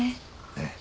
ええ。